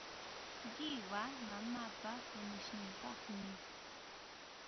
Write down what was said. Qiwa mamaapa kunishninpaqmi.